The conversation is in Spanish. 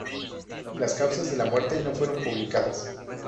Las causas de la muerte no fueron publicadas.